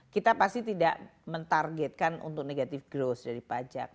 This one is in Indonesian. kita pasti tidak mentargetkan untuk negative growth dari pajak